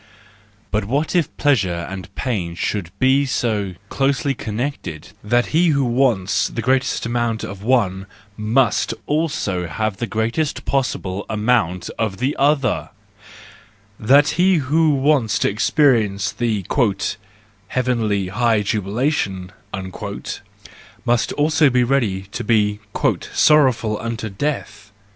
But what if pleasure and pain should be so closely connected that he who wants the greatest possible amount of the one must also have the greatest possible amount of the other,—that he who wants to experience the " heavenly high jubilation," * must also be ready to be "sorrowful unto death"?